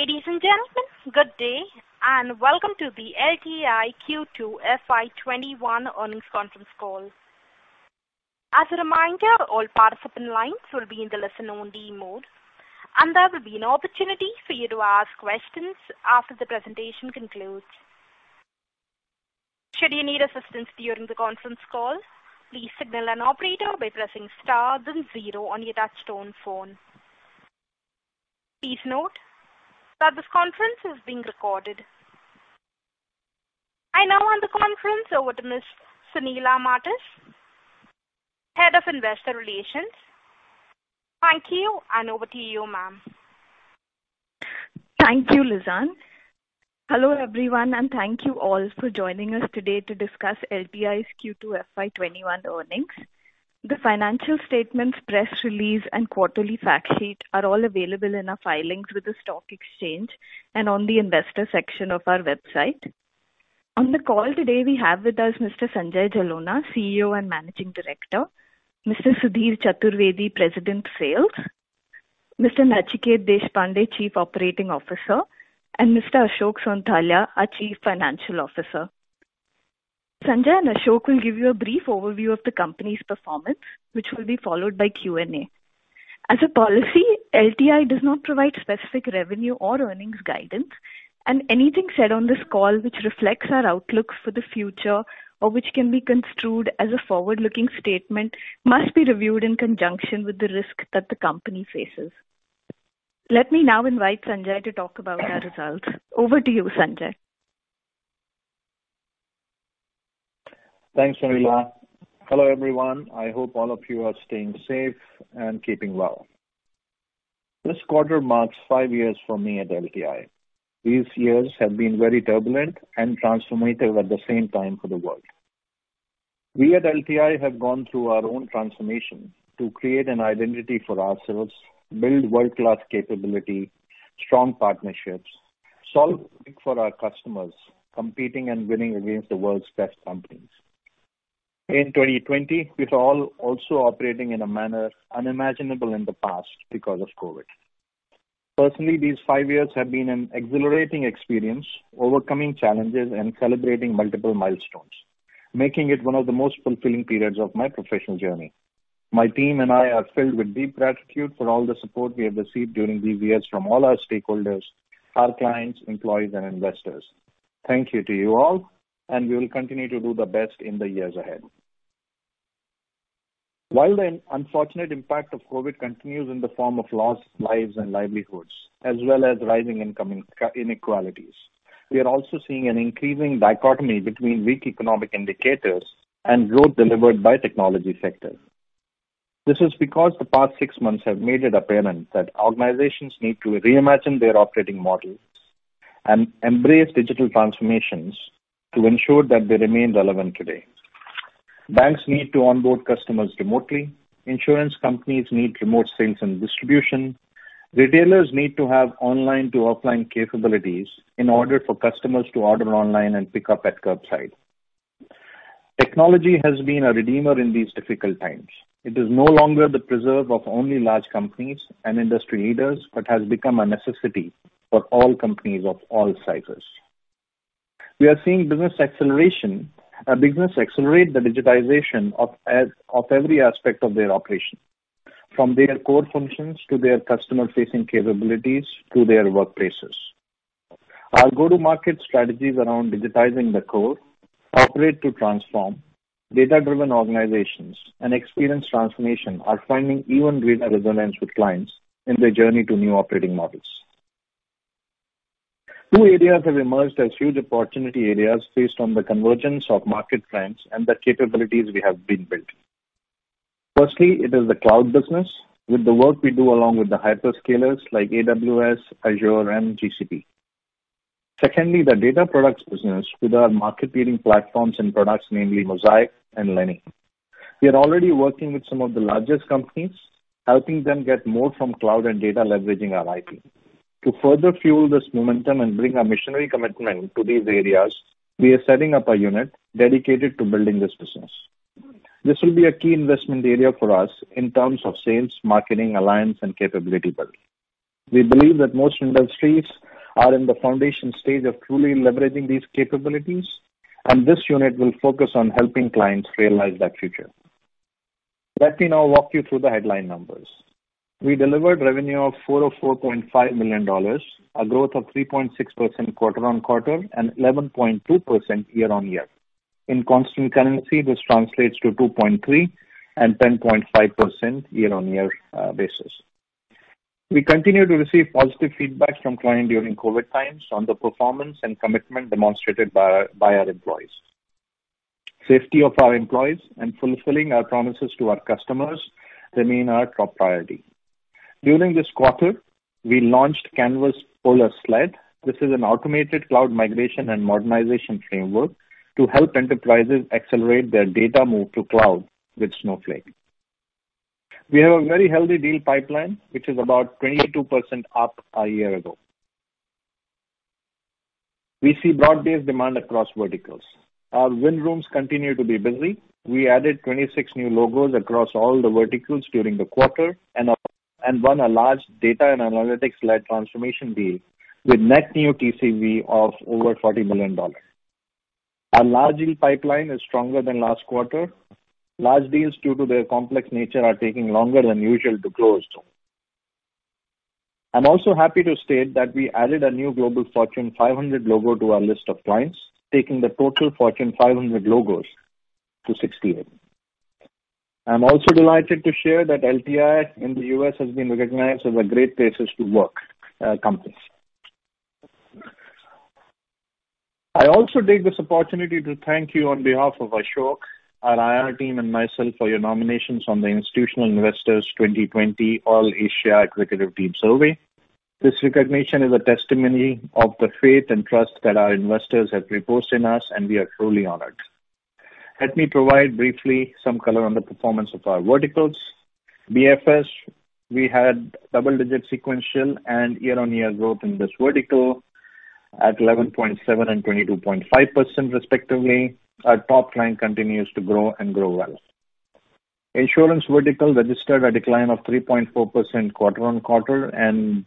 Ladies and gentlemen, good day, and welcome to the LTI Q2 FY 2021 earnings conference call. As a reminder, all participant lines will be in the listen-only mode, and there will be an opportunity for you to ask questions after the presentation concludes. Please note that this conference is being recorded. I now hand the conference over to Ms. Sunila Martis, Head of Investor Relations. Thank you, and over to you, ma'am. Thank you, Lizanne. Hello, everyone, and thank you all for joining us today to discuss LTI's Q2 FY 2021 earnings. The financial statements, press release, and quarterly fact sheet are all available in our filings with the stock exchange and on the investor section of our website. On the call today, we have with us Mr. Sanjay Jalona, CEO and Managing Director; Mr. Sudhir Chaturvedi, President of Sales; Mr. Nachiket Deshpande, Chief Operating Officer; and Mr. Ashok Sonthalia, our Chief Financial Officer. Sanjay and Ashok will give you a brief overview of the company's performance, which will be followed by Q&A. As a policy, LTI does not provide specific revenue or earnings guidance, and anything said on this call which reflects our outlook for the future or which can be construed as a forward-looking statement must be reviewed in conjunction with the risk that the company faces. Let me now invite Sanjay to talk about our results. Over to you, Sanjay. Thanks, Sunila. Hello, everyone. I hope all of you are staying safe and keeping well. This quarter marks five years for me at LTI. These years have been very turbulent and transformative at the same time for the world. We at LTI have gone through our own transformation to create an identity for ourselves, build world-class capability, strong partnerships, solve for our customers, competing and winning against the world's best companies. In 2020, we're all also operating in a manner unimaginable in the past because of COVID. Personally, these five years have been an exhilarating experience, overcoming challenges and celebrating multiple milestones, making it one of the most fulfilling periods of my professional journey. My team and I are filled with deep gratitude for all the support we have received during these years from all our stakeholders, our clients, employees, and investors. Thank you to you all. We will continue to do the best in the years ahead. While the unfortunate impact of COVID continues in the form of lost lives and livelihoods, as well as rising income inequalities, we are also seeing an increasing dichotomy between weak economic indicators and growth delivered by technology sector. This is because the past six months have made it apparent that organizations need to reimagine their operating models and embrace digital transformations to ensure that they remain relevant today. Banks need to onboard customers remotely. Insurance companies need remote sales and distribution. Retailers need to have online-to-offline capabilities in order for customers to order online and pick up at curbside. Technology has been a redeemer in these difficult times. It is no longer the preserve of only large companies and industry leaders, but has become a necessity for all companies of all sizes. We are seeing business accelerate the digitization of every aspect of their operation, from their core functions to their customer-facing capabilities to their workplaces. Our go-to-market strategies around digitizing the core, operate to transform data-driven organizations, and experience transformation are finding even greater resonance with clients in their journey to new operating models. Two areas have emerged as huge opportunity areas based on the convergence of market trends and the capabilities we have been building. Firstly, it is the Cloud business with the work we do along with the hyperscalers like AWS, Azure, and GCP. Secondly, the Data Products business with our market-leading platforms and products, namely Mosaic and Leni. We are already working with some of the largest companies, helping them get more from cloud and data leveraging our IP. To further fuel this momentum and bring our missionary commitment to these areas, we are setting up a unit dedicated to building this business. This will be a key investment area for us in terms of sales, marketing, alliance, and capability build. We believe that most industries are in the foundation stage of truly leveraging these capabilities, and this unit will focus on helping clients realize that future. Let me now walk you through the headline numbers. We delivered revenue of $404.5 million, a growth of 3.6% quarter-on-quarter and 11.2% year-on-year. In constant currency, this translates to 2.3% and 10.5% year-on-year basis. We continue to receive positive feedback from clients during COVID times on the performance and commitment demonstrated by our employees. Safety of our employees and fulfilling our promises to our customers remain our top priority. During this quarter, we launched Canvas PolarSled. This is an automated cloud migration and modernization framework to help enterprises accelerate their data move to cloud with Snowflake. We have a very healthy deal pipeline, which is about 22% up a year ago. We see broad-based demand across verticals. Our win rooms continue to be busy. We added 26 new logos across all the verticals during the quarter and won a large data and analytics-led transformation deal with net new TCV of over $40 million. Our large deal pipeline is stronger than last quarter. Large deals, due to their complex nature, are taking longer than usual to close. I'm also happy to state that we added a new Global Fortune 500 logo to our list of clients, taking the total Fortune 500 logos to 68. I'm also delighted to share that LTI in the U.S. has been recognized as a great places to work companies. I also take this opportunity to thank you on behalf of Ashok, our IR team, and myself for your nominations on the Institutional Investor 2020 All-Asia Research Team Survey. This recognition is a testimony of the faith and trust that our investors have reposed in us, and we are truly honored. Let me provide briefly some color on the performance of our verticals. BFS, we had double-digit sequential and year-on-year growth in this vertical at 11.7% and 22.5%, respectively. Our top client continues to grow and grow well. Insurance vertical registered a decline of 3.4% quarter-on-quarter and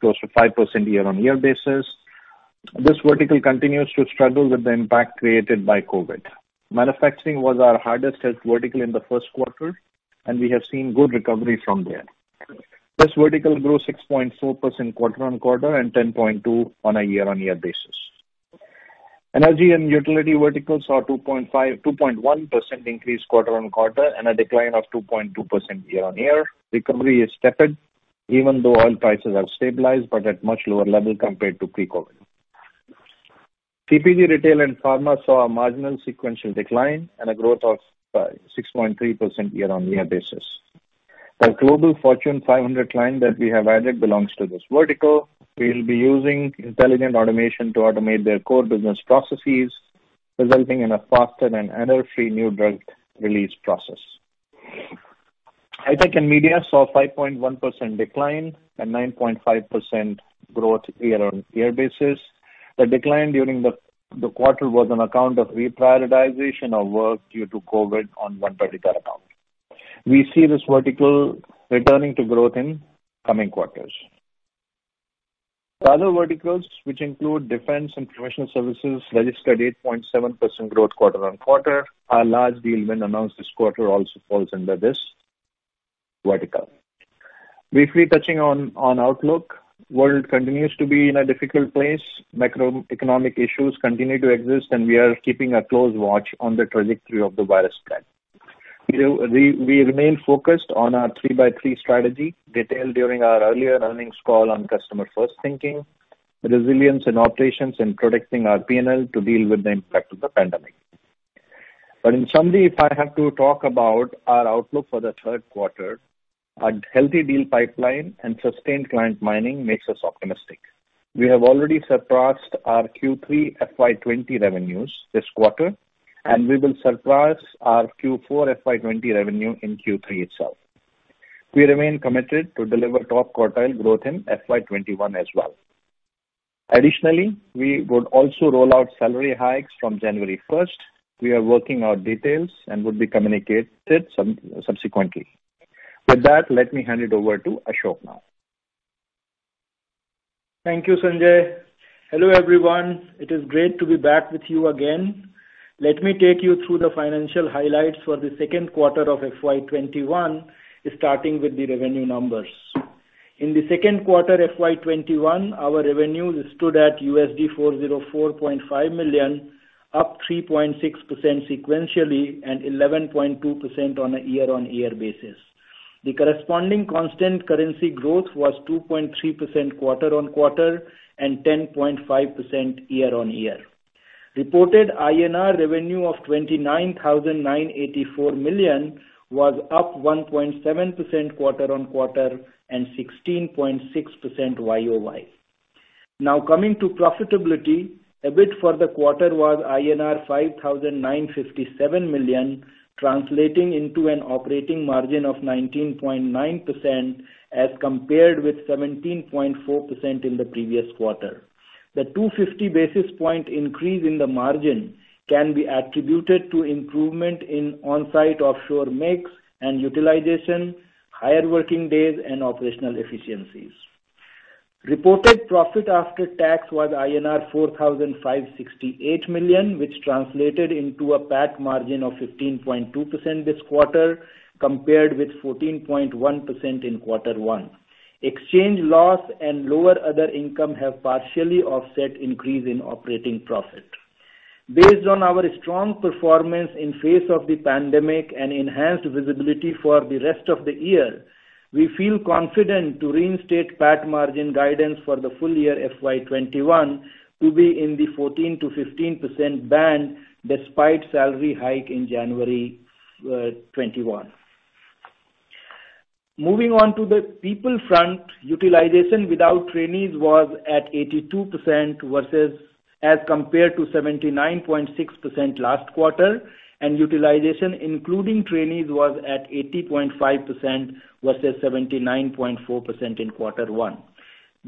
close to 5% year-on-year basis. This vertical continues to struggle with the impact created by COVID. Manufacturing was our hardest hit vertical in the first quarter, and we have seen good recovery from there. This vertical grew 6.4% quarter-on-quarter and 10.2% on a year-on-year basis. Energy and Utility verticals saw 2.1% increase quarter-on-quarter and a decline of 2.2% year-on-year. Recovery is tepid, even though oil prices have stabilized but at much lower level compared to pre-COVID. CPG, Retail, and Pharma saw a marginal sequential decline and a growth of 6.3% year-on-year basis. Our Global Fortune 500 client that we have added belongs to this vertical. We'll be using intelligent automation to automate their core business processes, resulting in a faster and error-free new drug release process. Hi-Tech and Media saw 5.1% decline and 9.5% growth year-on-year basis. The decline during the quarter was on account of reprioritization of work due to COVID on one particular account. We see this vertical returning to growth in coming quarters. Other verticals, which include Defense and Professional Services, registered 8.7% growth quarter-on-quarter. Our large deal when announced this quarter also falls under this vertical. Briefly touching on outlook. World continues to be in a difficult place. Macroeconomic issues continue to exist, and we are keeping a close watch on the trajectory of the virus spread. We remain focused on our three by three strategy detailed during our earlier earnings call on customer first thinking, resilience in operations, and protecting our P&L to deal with the impact of the pandemic. In summary, if I have to talk about our outlook for the third quarter, a healthy deal pipeline and sustained client mining makes us optimistic. We have already surpassed our Q3 FY 2020 revenues this quarter, and we will surpass our Q4 FY 2020 revenue in Q3 itself. We remain committed to deliver top quartile growth in FY 2021 as well. Additionally, we would also roll out salary hikes from January 1st. We are working out details and would be communicated subsequently. With that, let me hand it over to Ashok now. Thank you, Sanjay. Hello, everyone. It is great to be back with you again. Let me take you through the financial highlights for the second quarter of FY 2021, starting with the revenue numbers. In the second quarter FY 2021, our revenues stood at $404.5 million, up 3.6% sequentially and 11.2% on a year-on-year basis. The corresponding constant currency growth was 2.3% quarter-on-quarter and 10.5% year-on-year. Reported INR revenue of 29,984 million was up 1.7% quarter-on-quarter and 16.6% YoY. Coming to profitability. EBIT for the quarter was INR 5,957 million, translating into an operating margin of 19.9% as compared with 17.4% in the previous quarter. The 250 basis point increase in the margin can be attributed to improvement in on-site offshore mix and utilization, higher working days, and operational efficiencies. Reported profit after tax was INR 4,568 million, which translated into a PAT margin of 15.2% this quarter, compared with 14.1% in quarter one. Exchange loss and lower other income have partially offset increase in operating profit. Based on our strong performance in face of the pandemic and enhanced visibility for the rest of the year, we feel confident to reinstate PAT margin guidance for the full year FY 2021 to be in the 14%-15% band despite salary hike in January 2021. Moving on to the people front. Utilization without trainees was at 82% as compared to 79.6% last quarter, and utilization including trainees was at 80.5% versus 79.4% in quarter one.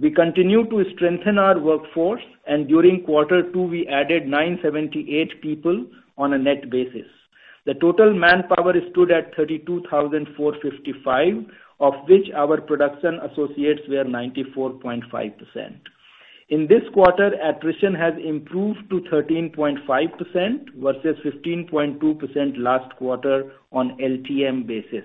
We continue to strengthen our workforce, and during quarter two, we added 978 people on a net basis. The total manpower stood at 32,455, of which our production associates were 94.5%. In this quarter, attrition has improved to 13.5% versus 15.2% last quarter on LTM basis.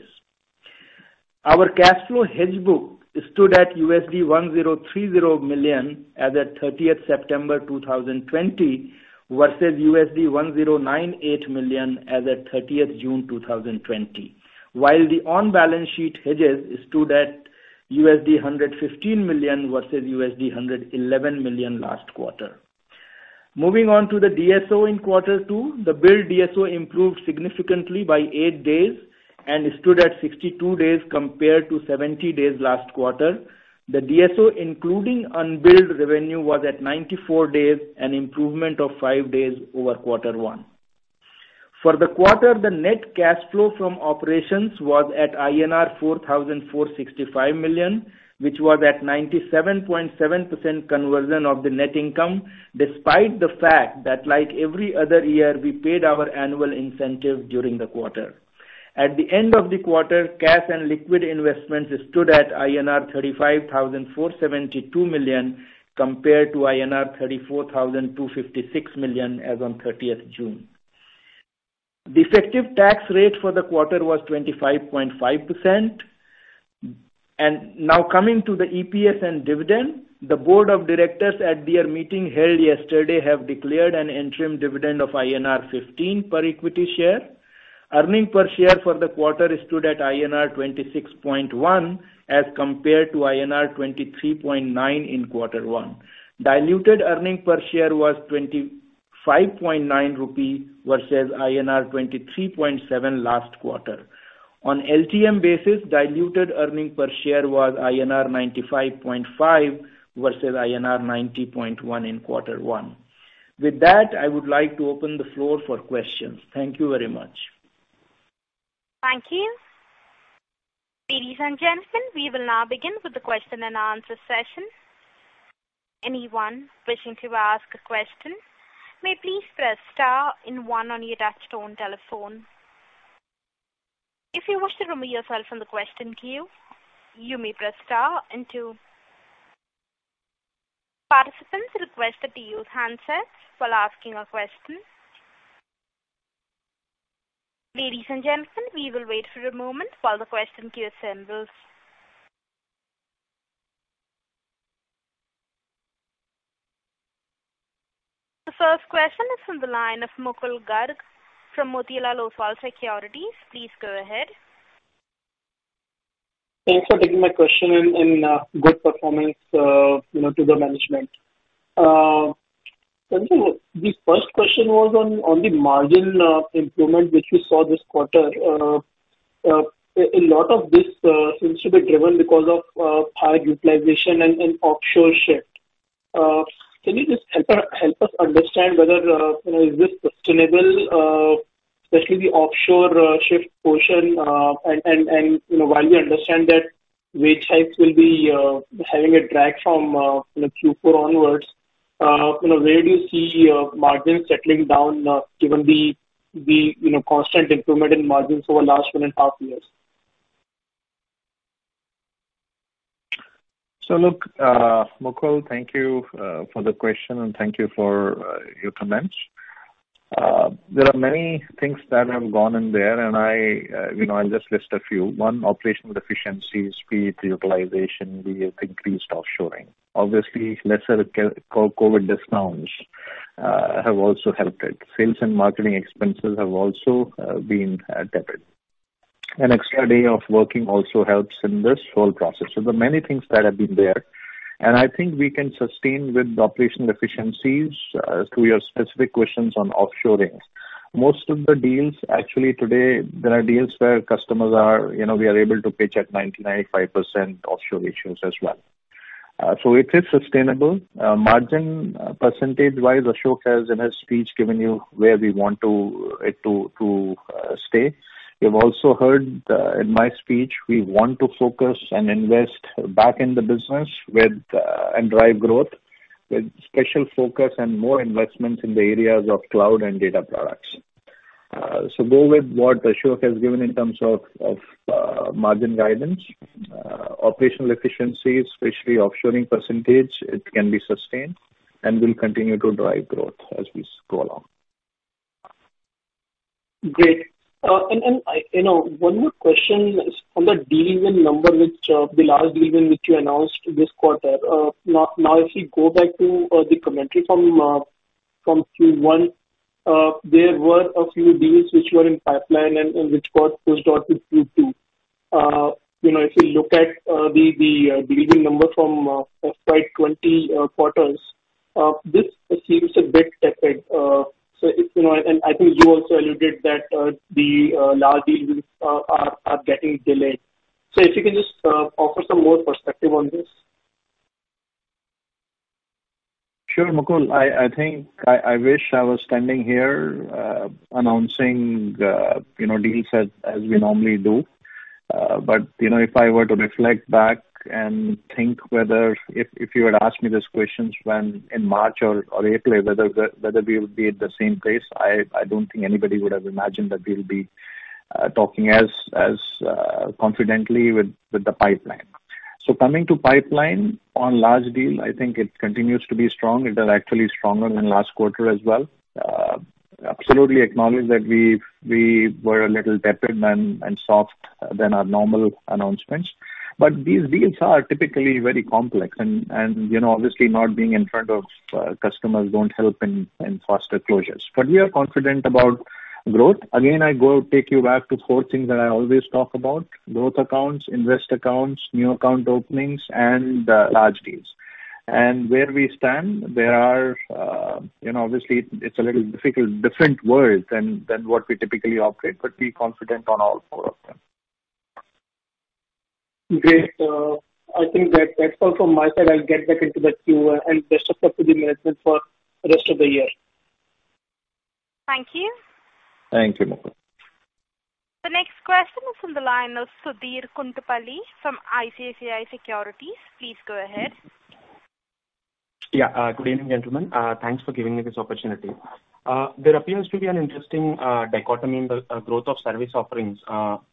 Our cash flow hedge book stood at $1,030 million as at 30th September 2020 versus $1,098 million as at 30th June 2020. While the on-balance sheet hedges stood at $115 million versus $111 million last quarter. Moving on to the DSO in quarter two. The bill DSO improved significantly by eight days and stood at 62 days compared to 70 days last quarter. The DSO, including unbilled revenue, was at 94 days, an improvement of five days over quarter one. For the quarter, the net cash flow from operations was at INR 4,465 million, which was at 97.7% conversion of the net income, despite the fact that like every other year, we paid our annual incentive during the quarter. At the end of the quarter, cash and liquid investments stood at INR 35,472 million compared to INR 34,256 million as on 30th June. The effective tax rate for the quarter was 25.5%. Now coming to the EPS and dividend. The board of directors at their meeting held yesterday have declared an interim dividend of INR 15 per equity share. Earnings per share for the quarter stood at INR 26.1 as compared to INR 23.9 in quarter one. Diluted Earnings per share was 25.9 rupee versus INR 23.7 last quarter. On LTM basis, Diluted Earnings per share was INR 95.5 versus INR 90.1 in quarter one. With that, I would like to open the floor for questions. Thank you very much. Thank you. Ladies and gentlemen, we will now begin with the question and answer session. Anyone wishing to ask a question may please press star and one on your touchtone telephone. If you wish to remove yourself from the question queue, you may press star and two. Participants are requested to use handsets while asking a question. Ladies and gentlemen, we will wait for a moment while the question queue assembles. The first question is from the line of Mukul Garg from Motilal Oswal Securities. Please go ahead. Thanks for taking my question and good performance to the management. Sanjay, the first question was on the margin improvement which we saw this quarter. A lot of this seems to be driven because of high utilization and offshore shift. Can you just help us understand whether is this sustainable, especially the offshore shift portion? While we understand that wage hikes will be having a drag from Q4 onwards, where do you see margins settling down given the constant improvement in margins over the last one and a half years? Look, Mukul, thank you for the question and thank you for your comments. There are many things that have gone in there. I'll just list a few. One, operational efficiency, speed, utilization. We have increased offshoring. Obviously, lesser COVID discounts have also helped it. Sales and marketing expenses have also been debited. An extra day of working also helps in this whole process. There are many things that have been there. I think we can sustain with the operational efficiencies. To your specific questions on offshorings. Most of the deals actually today, there are deals where we are able to pitch at 99.5% offshore ratios as well. It is sustainable. Margin percentage-wise, Ashok has in his speech given you where we want it to stay. You've also heard in my speech, we want to focus and invest back in the business and drive growth with special focus and more investments in the areas of Cloud and Data Products. Go with what Ashok has given in terms of margin guidance. Operational efficiencies, especially offshoring percentage, it can be sustained, and will continue to drive growth as we scroll on. Great. One more question on the deal win number, the large deal win which you announced this quarter. If we go back to the commentary from Q1, there were a few deals which were in pipeline and which got pushed out to Q2. If you look at the deal win number from FY 2020 quarters, this seems a bit affected. I think you also alluded that the large deals are getting delayed. If you can just offer some more perspective on this. Sure, Mukul. I wish I was standing here announcing deals as we normally do. If I were to reflect back and think whether if you had asked me this question in March or April, whether we would be at the same place, I don't think anybody would have imagined that we'll be talking as confidently with the pipeline. Coming to pipeline, on large deal, I think it continues to be strong. It is actually stronger than last quarter as well. Absolutely acknowledge that we were a little tepid and soft than our normal announcements. These deals are typically very complex and obviously not being in front of customers don't help in faster closures. We are confident about growth. Again, I go take you back to four things that I always talk about, growth accounts, invest accounts, new account openings, and large deals. Where we stand, obviously, it's a little difficult, different world than what we typically operate, but we're confident on all four of them. Great. I think that's all from my side. I'll get back into the queue and rest of it up to the management for rest of the year. Thank you. Thank you, Mukul. The next question is from the line of Sudheer Guntupalli from ICICI Securities. Please go ahead. Yeah. Good evening, gentlemen. Thanks for giving me this opportunity. There appears to be an interesting dichotomy in the growth of service offerings.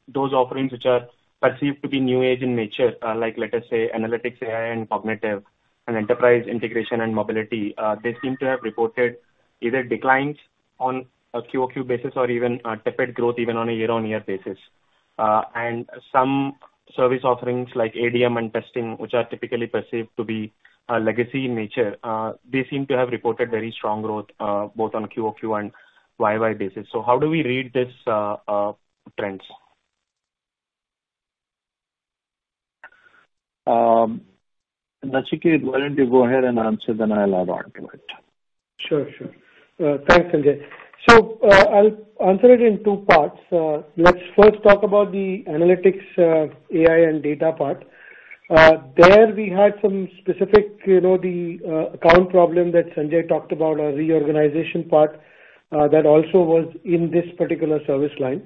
Those offerings which are perceived to be new age in nature, like let us say analytics, AI and cognitive and enterprise integration and mobility. They seem to have reported either declines on a QoQ basis or even a tepid growth even on a year-on-year basis. Some service offerings like ADM and testing, which are typically perceived to be legacy in nature, they seem to have reported very strong growth both on QoQ and YoY basis. How do we read these trends? Nachiket, why don't you go ahead and answer, then I'll add on to it. Sure. Thanks, Sanjay. I'll answer it in two parts. Let's first talk about the analytics, AI, and data part. There we had some specific account problem that Sanjay talked about, a reorganization part, that also was in this particular service line.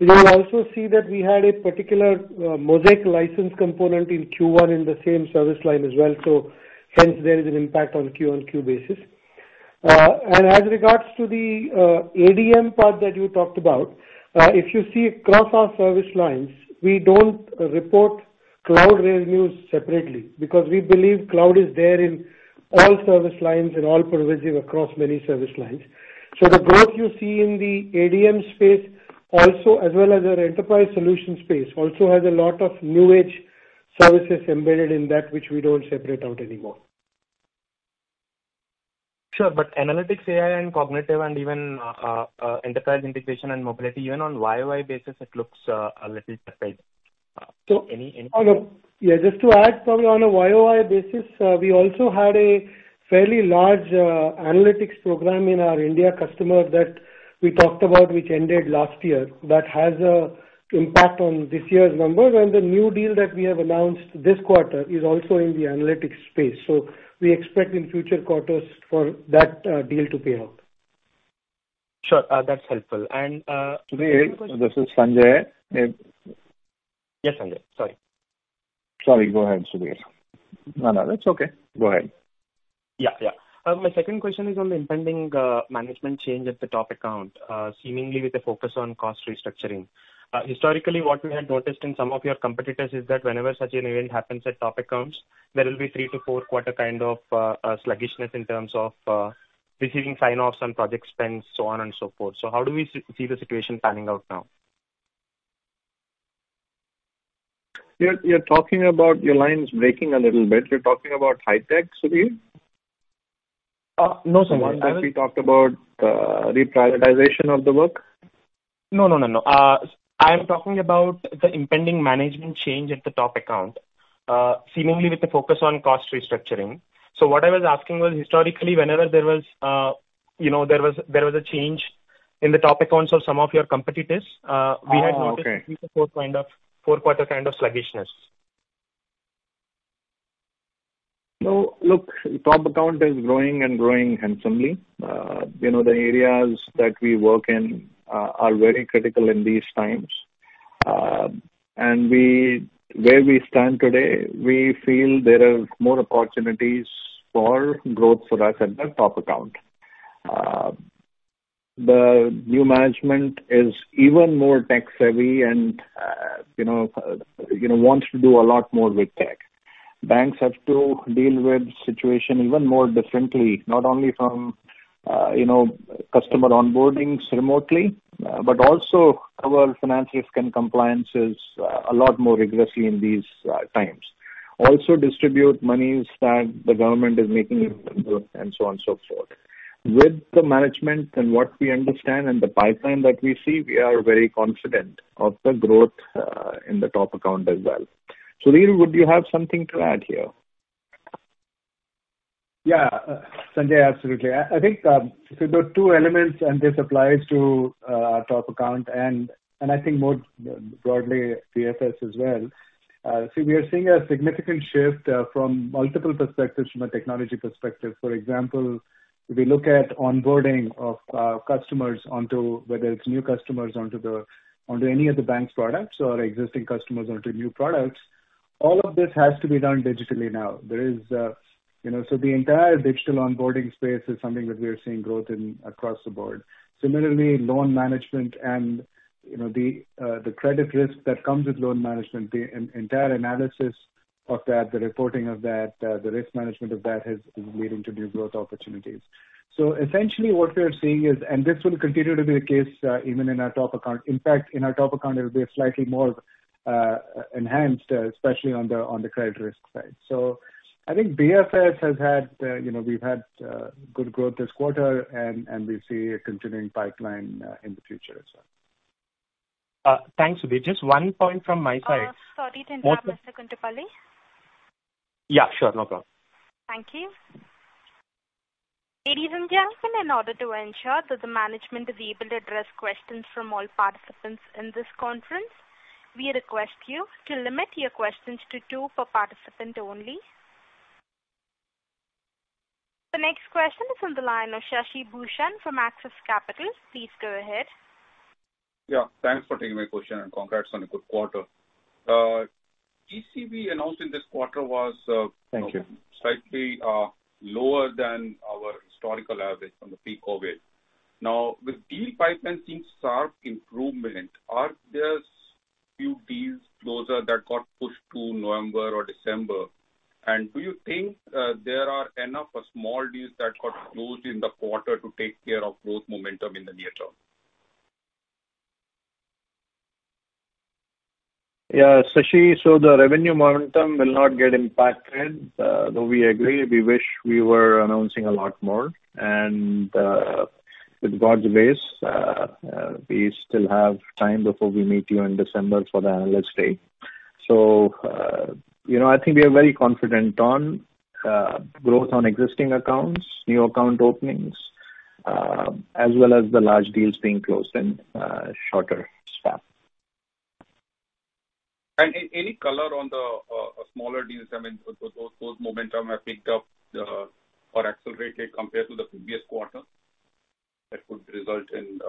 You will also see that we had a particular Mosaic license component in Q1 in the same service line as well. Hence there is an impact on Q-on-Q basis. As regards to the ADM part that you talked about, if you see across our service lines, we don't report Cloud revenues separately because we believe cloud is there in all service lines and all pervasive across many service lines. The growth you see in the ADM space also as well as our enterprise solution space also has a lot of new age services embedded in that which we don't separate out anymore. Sure. Analytics, AI, and cognitive, and even enterprise integration and mobility, even on YoY basis, it looks a little tepid. Yeah. Just to add probably on a YoY basis, we also had a fairly large analytics program in our India customer that we talked about, which ended last year, that has a impact on this year's number. The new deal that we have announced this quarter is also in the analytics space. We expect in future quarters for that deal to pay off. Sure. That's helpful. Sudheer, this is Sanjay. Yes, Sanjay. Sorry. Sorry. Go ahead, Sudheer. No, that's okay. Go ahead. Yeah. My second question is on the impending management change at the top account seemingly with a focus on cost restructuring. Historically, what we have noticed in some of your competitors is that whenever such an event happens at top accounts, there will be three to four quarter kind of sluggishness in terms of receiving sign-offs on project spends, so on and so forth. How do we see the situation panning out now? Your line is breaking a little bit. You're talking about high tech, Sudheer? No, sir. The one that we talked about reprioritization of the work. No. I am talking about the impending management change at the top account seemingly with a focus on cost restructuring. What I was asking was, historically, whenever there was a change in the top accounts of some of your competitors we had noticed three to four quarter kind of sluggishness. Look, top account is growing and growing handsomely. The areas that we work in are very critical in these times. Where we stand today, we feel there are more opportunities for growth for us at the top account. The new management is even more tech-savvy and wants to do a lot more with tech. Banks have to deal with the situation even more differently, not only from customer onboardings remotely, but also cover financial risk and compliance a lot more rigorously in these times. Also distribute monies that the government is making available and so on and so forth. With the management and what we understand and the pipeline that we see, we are very confident of the growth in the top account as well. Sudhir, would you have something to add here? Yeah. Sanjay, absolutely. I think there are two elements, and this applies to our top account and I think more broadly BFS as well. We are seeing a significant shift from multiple perspectives from a technology perspective. For example, if we look at onboarding of our customers, whether it's new customers onto any of the bank's products or existing customers onto new products, all of this has to be done digitally now. The entire digital onboarding space is something that we are seeing growth in across the board. Similarly, loan management and the credit risk that comes with loan management, the entire analysis of that, the reporting of that, the risk management of that is leading to new growth opportunities. Essentially what we are seeing is, and this will continue to be the case even in our top account. In fact, in our top account, it'll be slightly more enhanced, especially on the credit risk side. I think BFS, we've had good growth this quarter, and we see a continuing pipeline in the future as well. Thanks, Sudhir. Just one point from my side. Sorry to interrupt, Mr. Guntupalli. Yeah, sure. No problem. Thank you. Ladies and gentlemen, in order to ensure that the management is able to address questions from all participants in this conference, we request you to limit your questions to two per participant only. The next question is on the line of Shashi Bhushan from Axis Capital. Please go ahead. Yeah, thanks for taking my question, and congrats on a good quarter. TCV announced in this quarter was- Thank you. slightly lower than our historical average from the pre-COVID. Now, with deal pipeline seeing sharp improvement, are there few deals closer that got pushed to November or December? Do you think there are enough small deals that got closed in the quarter to take care of growth momentum in the near term? Yeah, Shashi. The revenue momentum will not get impacted. We agree, we wish we were announcing a lot more. With God's grace, we still have time before we meet you in December for the analyst day. I think we are very confident on growth on existing accounts, new account openings, as well as the large deals being closed in a shorter span. Any color on the smaller deals, those momentum have picked up or accelerated compared to the previous quarter that could result in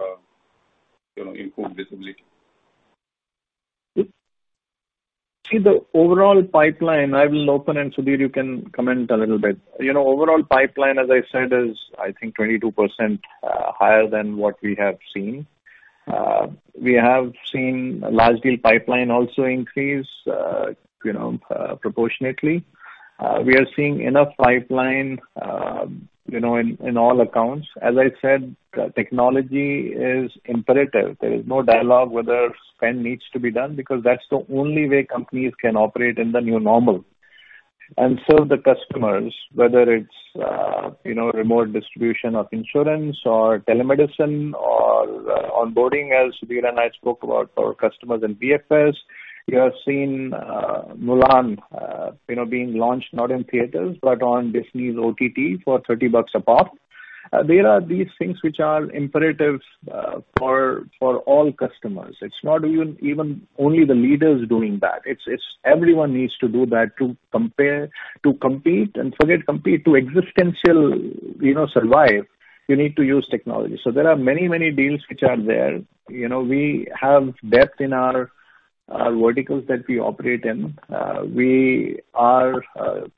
improved visibility? See the overall pipeline, I will open, and Sudhir, you can comment a little bit. Overall pipeline, as I said, is I think 22% higher than what we have seen. We have seen large deal pipeline also increase proportionately. We are seeing enough pipeline in all accounts. As I said, technology is imperative. There is no dialogue whether spend needs to be done because that's the only way companies can operate in the new normal and serve the customers, whether it's remote distribution of insurance or telemedicine or onboarding, as Sudhir and I spoke about for our customers in BFS. You have seen "Mulan" being launched not in theaters, but on Disney's OTT for $30 a pop. There are these things which are imperatives for all customers. It's not even only the leaders doing that. Everyone needs to do that to compete, and forget compete, to existentially survive, you need to use technology. There are many, many deals which are there. We have depth in our verticals that we operate in. We are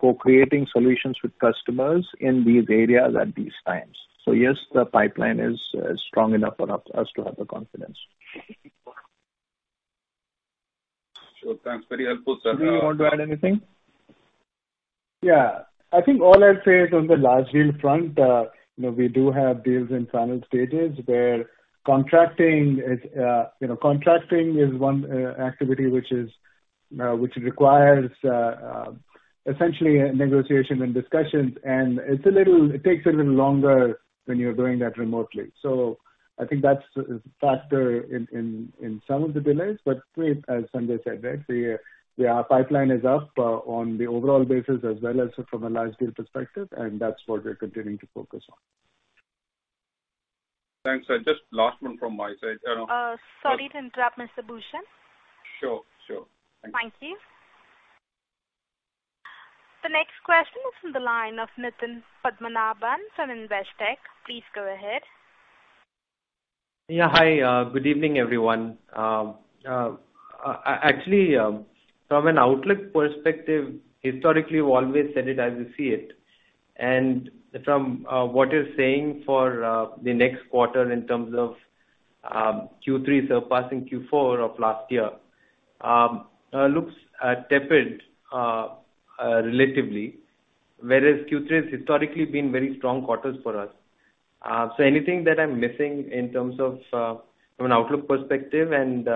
co-creating solutions with customers in these areas at these times. Yes, the pipeline is strong enough for us to have the confidence. Sure. Thanks. Very helpful, sir. Sudhir, you want to add anything? Yeah. I think all I'd say is on the large deal front, we do have deals in final stages where contracting is one activity which requires essentially negotiation and discussions, and it takes a little longer when you're doing that remotely. I think that's a factor in some of the delays. As Sanjay said, the pipeline is up on the overall basis as well as from a large deal perspective, and that's what we're continuing to focus on. Thanks. Just last one from my side. Sorry to interrupt, Mr. Bhushan. Sure. Thank you. The next question is from the line of Nitin Padmanabhan from Investec. Please go ahead. Yeah. Hi. Good evening, everyone. Actually, from an outlook perspective, historically, we've always said it as we see it. From what you're saying for the next quarter in terms of Q3 surpassing Q4 of last year, looks tepid relatively, whereas Q3 has historically been very strong quarters for us. Anything that I'm missing in terms of from an outlook perspective, and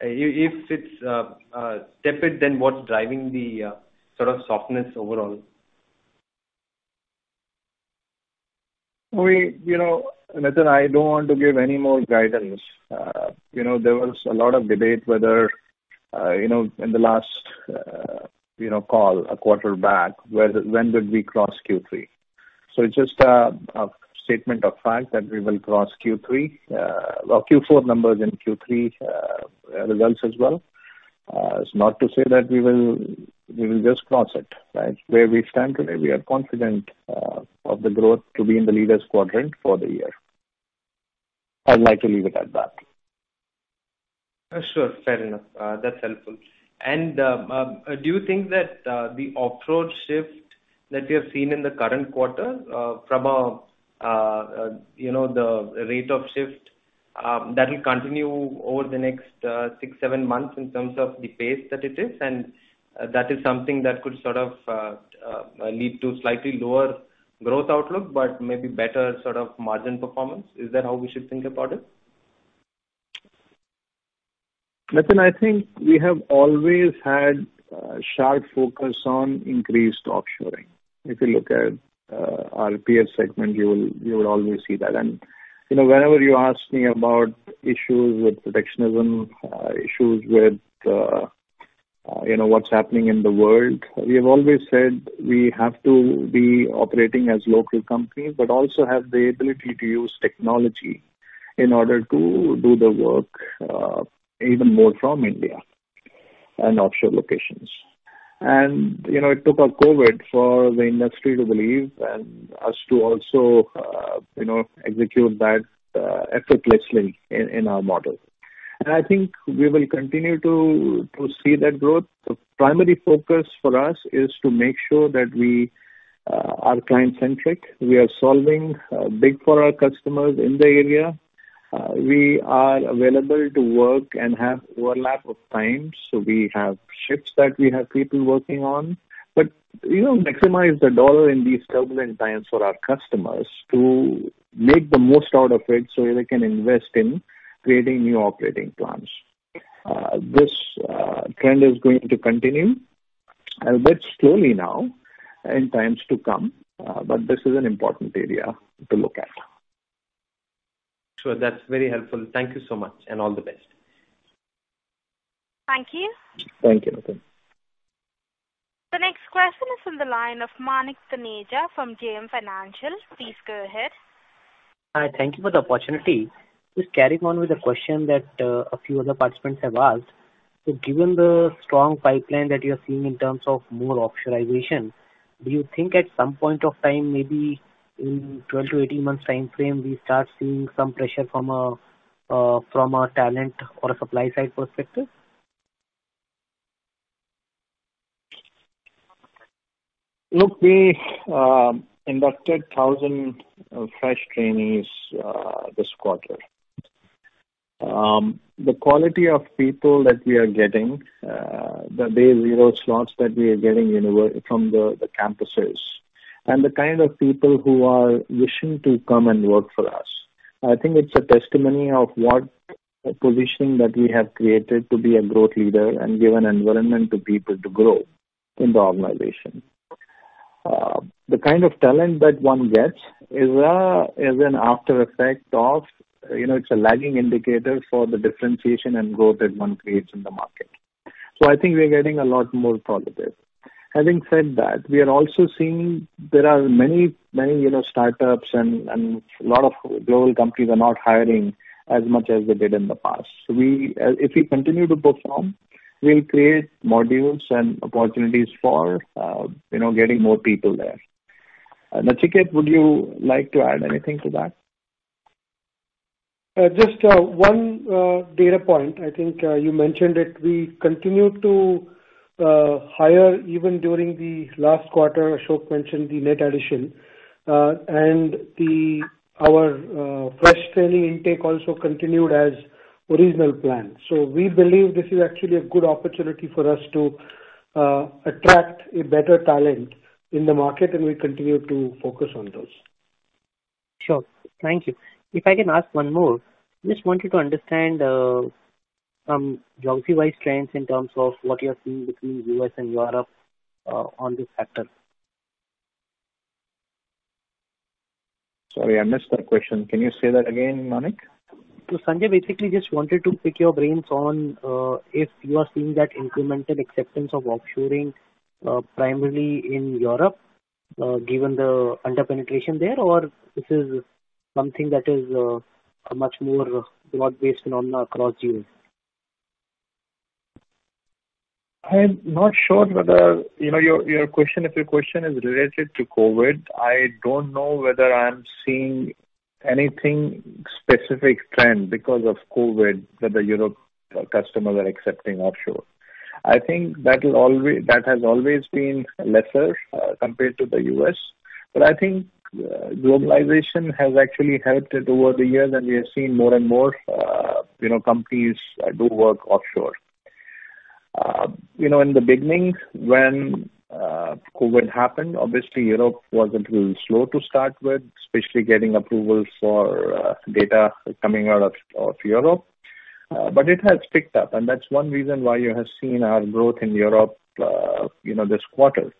if it's tepid, then what's driving the sort of softness overall? Nitin, I don't want to give any more guidance. There was a lot of debate whether in the last call a quarter back, when did we cross Q3? It's just a statement of fact that we will cross Q3, our Q4 numbers and Q3 results as well. It's not to say that we will just cross it. Where we stand today, we are confident of the growth to be in the leaders quadrant for the year. I'd like to leave it at that. Sure. Fair enough. That's helpful. Do you think that the offload shift that you have seen in the current quarter from the rate of shift, that will continue over the next six, seven months in terms of the pace that it is, and that is something that could sort of lead to slightly lower growth outlook, but maybe better sort of margin performance. Is that how we should think about it? Nitin, I think we have always had a sharp focus on increased offshoring. If you look at our PA segment, you will always see that. Whenever you ask me about issues with protectionism, issues with what's happening in the world, we have always said we have to be operating as local companies, but also have the ability to use technology in order to do the work, even more from India and offshore locations. It took a COVID for the industry to believe and us to also execute that effortlessly in our model. I think we will continue to see that growth. The primary focus for us is to make sure that we are client-centric. We are solving big for our customers in the area. We are available to work and have overlap of times, so we have shifts that we have people working on. Maximize the dollar in these turbulent times for our customers to make the most out of it so they can invest in creating new operating plans. This trend is going to continue, a bit slowly now in times to come, but this is an important area to look at. Sure, that's very helpful. Thank you so much, and all the best. Thank you. Thank you, Nitin. The next question is on the line of Manik Taneja from JM Financial. Please go ahead. Hi. Thank you for the opportunity. Just carrying on with the question that a few other participants have asked. Given the strong pipeline that you're seeing in terms of more offshoreization, do you think at some point of time, maybe in 12-18 months timeframe, we start seeing some pressure from a talent or a supply side perspective? Look, we inducted 1,000 fresh trainees this quarter. The quality of people that we are getting, the day zero slots that we are getting from the campuses, and the kind of people who are wishing to come and work for us, I think it's a testimony of what a position that we have created to be a growth leader and give an environment to people to grow in the organization. The kind of talent that one gets is an after effect of, it's a lagging indicator for the differentiation and growth that one creates in the market. I think we're getting a lot more positive. Having said that, we are also seeing there are many startups and a lot of global companies are not hiring as much as they did in the past. If we continue to perform, we'll create modules and opportunities for getting more people there. Nachiket, would you like to add anything to that? Just one data point. I think you mentioned it. We continued to hire even during the last quarter. Ashok mentioned the net addition. Our fresh training intake also continued as original plan. We believe this is actually a good opportunity for us to attract a better talent in the market, and we continue to focus on those. Sure. Thank you. If I can ask one more. Just wanted to understand some geography-wise trends in terms of what you are seeing between U.S. and Europe on this factor. Sorry, I missed that question. Can you say that again, Manik? Sanjay, basically just wanted to pick your brains on if you are seeing that incremental acceptance of offshoring primarily in Europe, given the under-penetration there, or this is something that is a much more broad-based phenomenon across U.S. I'm not sure whether your question is related to COVID. I don't know whether I'm seeing anything specific trend because of COVID that the Europe customers are accepting offshore. I think that has always been lesser compared to the U.S. I think globalization has actually helped it over the years, and we are seeing more and more companies do work offshore. In the beginning when COVID happened, obviously Europe was a little slow to start with, especially getting approvals for data coming out of Europe. It has picked up, and that's one reason why you have seen our growth in Europe this quarter.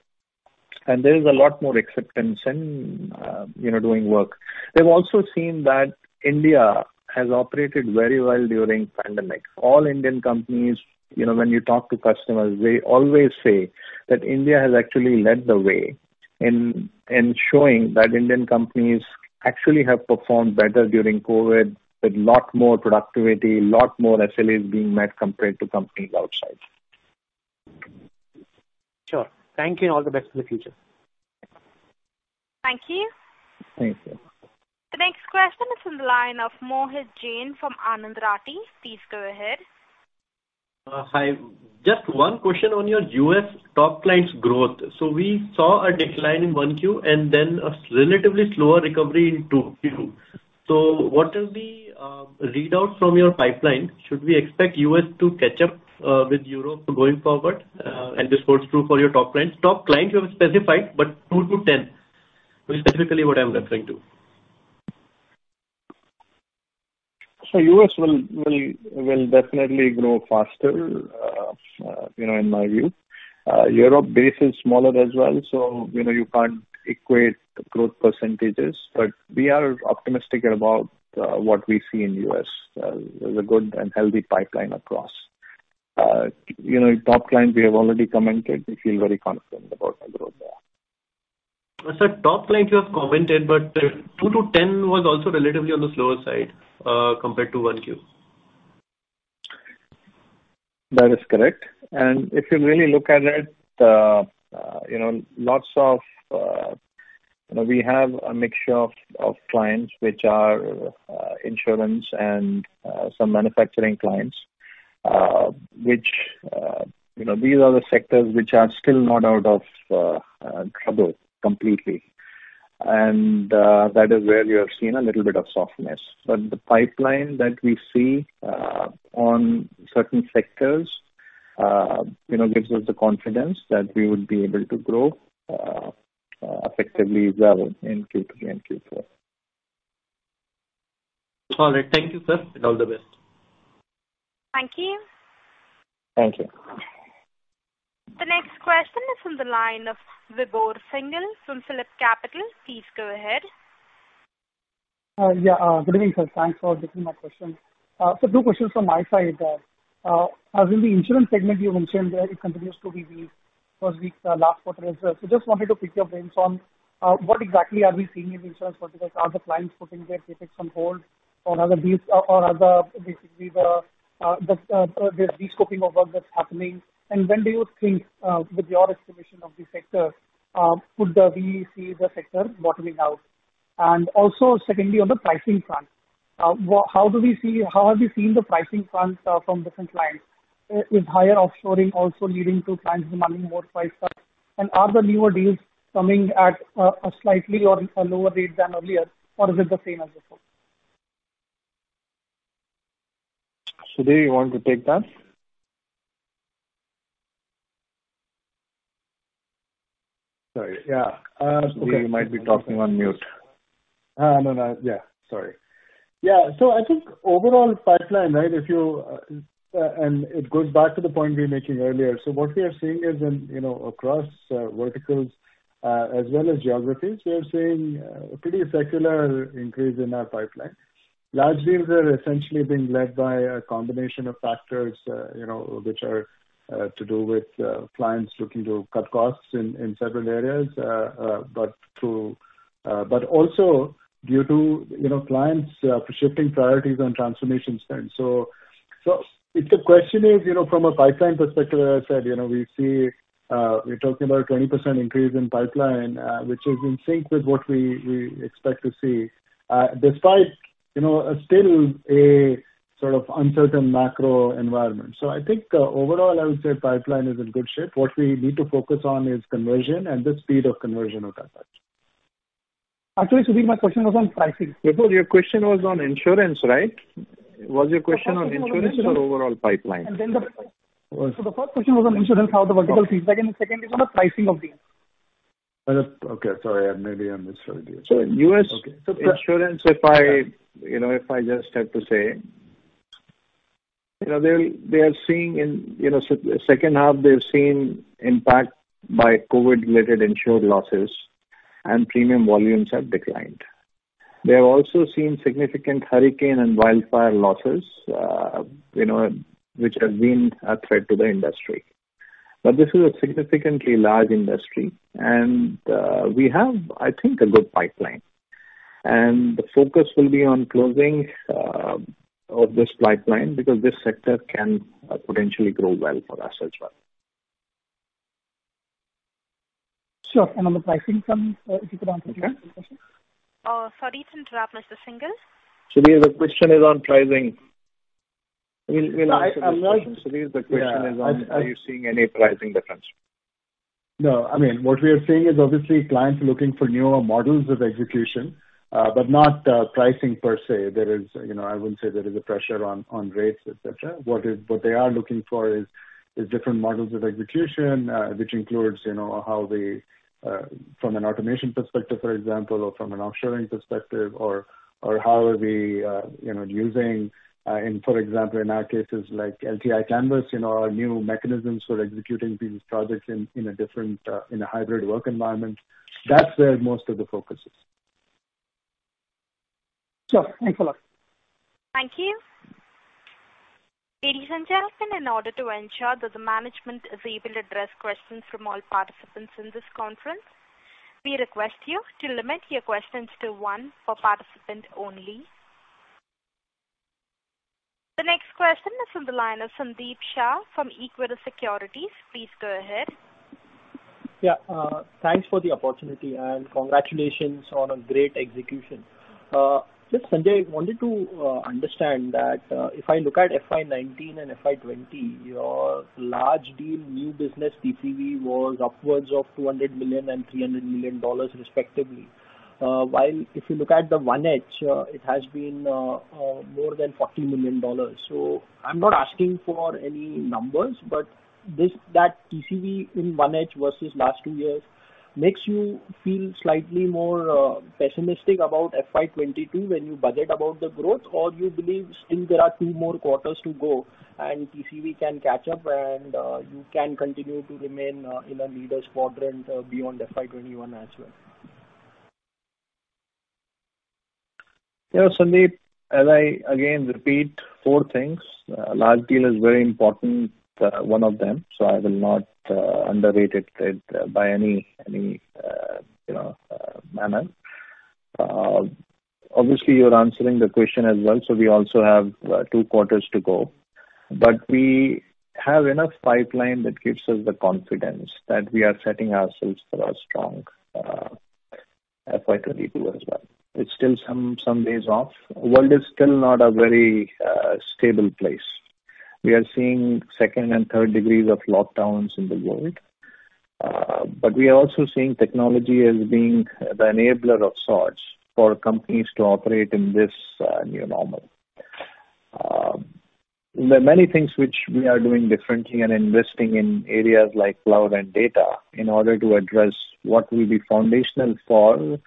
There is a lot more acceptance in doing work. We've also seen that India has operated very well during pandemic. All Indian companies, when you talk to customers, they always say that India has actually led the way in ensuring that Indian companies actually have performed better during COVID, with lot more productivity, lot more SLAs being met compared to companies outside. Sure. Thank you and all the best for the future. Thank you. Thank you. The next question is from the line of Mohit Jain from Anand Rathi. Please go ahead. Hi. We saw a decline in 1Q and then a relatively slower recovery in 2Q. What is the readout from your pipeline? Should we expect U.S. to catch up with Europe going forward? This holds true for your top clients. Top clients you have specified, but 2-10 is specifically what I'm referring to. U.S. will definitely grow faster, in my view. Europe base is smaller as well, so you can't equate growth percentages. We are optimistic about what we see in U.S. There's a good and healthy pipeline across. Top line, we have already commented. We feel very confident about our growth there. Sir, top line you have commented, but 2-10 was also relatively on the slower side compared to 1Q. That is correct. If you really look at it, we have a mixture of clients which are insurance and some manufacturing clients. These are the sectors which are still not out of trouble completely. That is where we have seen a little bit of softness. The pipeline that we see on certain sectors gives us the confidence that we would be able to grow effectively well in Q3 and Q4. All right. Thank you, sir, and all the best. Thank you. Thank you. The next question is from the line of Vibhor Singhal from PhillipCapital. Please go ahead. Yeah. Good evening, sir. Thanks for taking my question. Sir, two questions from my side. As in the insurance segment, you mentioned that it continues to be weak first week, last quarter as well. Just wanted to pick your brains on what exactly are we seeing in the insurance verticals? Are the clients putting their CapEx on hold or are there basically the de-scoping of work that's happening? When do you think with your estimation of the sector, could we see the sector bottoming out? Also secondly, on the pricing front, how have you seen the pricing front from different clients? Is higher offshoring also leading to clients demanding more price cuts? Are the newer deals coming at a slightly or a lower rate than earlier, or is it the same as before? Sudhir, you want to take that? Sorry, yeah. You might be talking on mute. No. Yeah, sorry. Yeah. I think overall pipeline, right. It goes back to the point we were making earlier. What we are seeing is across verticals as well as geographies, we are seeing a pretty secular increase in our pipeline. Large deals are essentially being led by a combination of factors which are to do with clients looking to cut costs in several areas. Also due to clients shifting priorities on transformation spend. If the question is from a pipeline perspective, as I said, we're talking about a 20% increase in pipeline, which is in sync with what we expect to see despite still a sort of uncertain macro environment. I think overall, I would say pipeline is in good shape. What we need to focus on is conversion and the speed of conversion of that. Actually, Sudhir, my question was on pricing. Vibhor, your question was on insurance, right? Was your question on insurance or overall pipeline? The first question was on insurance, how the vertical sees that, and the second is on the pricing of deals. Okay. Sorry. Maybe I misunderstood you. U.S. insurance, if I just have to say. In second half, they've seen impact by COVID-related insured losses and premium volumes have declined. They have also seen significant hurricane and wildfire losses which have been a threat to the industry. This is a significantly large industry and we have, I think, a good pipeline, and the focus will be on closing of this pipeline because this sector can potentially grow well for us as well. Sure. On the pricing front, sir, if you could answer the second question. Sorry to interrupt, Mr. Singhal. Sudhir, the question is on pricing. Sudhir, the question is on are you seeing any pricing difference? No. What we are seeing is obviously clients looking for newer models of execution, but not pricing per se. I wouldn't say there is a pressure on rates, et cetera. What they are looking for is different models of execution, which includes how they, from an automation perspective, for example, or from an offshoring perspective, or how are we using, for example, in our cases like LTI Canvas, our new mechanisms for executing these projects in a hybrid work environment. That's where most of the focus is. Sure. Thanks a lot. Thank you. Ladies and gentlemen, in order to ensure that the management is able to address questions from all participants in this conference, we request you to limit your questions to one per participant only. The next question is on the line of Sandeep Shah from Equirus Securities. Please go ahead. Yeah. Thanks for the opportunity and congratulations on a great execution. Just, Sanjay, I wanted to understand that if I look at FY 2019 and FY 2020, your large deal new business TCV was upwards of $200 million and $300 million respectively. While if you look at the 1H, it has been more than $40 million. I'm not asking for any numbers, but that TCV in 1H versus last two years makes you feel slightly more pessimistic about FY 2022 when you budget about the growth, or you believe still there are two more quarters to go and TCV can catch up and you can continue to remain in a leaders quadrant beyond FY 2021 as well. Sandeep, as I again repeat four things. Large deal is very important, one of them, so I will not underrate it by any manner. Obviously, you are answering the question as well, so we also have two quarters to go. We have enough pipeline that gives us the confidence that we are setting ourselves for a strong FY22 as well. It is still some days off. The world is still not a very stable place. We are seeing second and third degrees of lockdowns in the world. We are also seeing technology as being the enabler of sorts for companies to operate in this new normal. There are many things which we are doing differently and investing in areas like cloud and data in order to address what will be foundational for